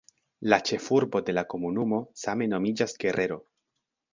La ĉefurbo de la komunumo same nomiĝas "Guerrero".